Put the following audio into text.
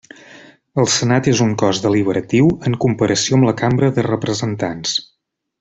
El Senat és un cos deliberatiu, en comparació amb la Cambra de Representants.